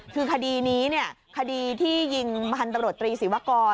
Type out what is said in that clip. คือคดีนี้คดีที่ยิงพันธบรวตรีศิวากร